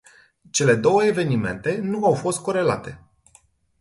Cele două evenimente nu au fost corelate.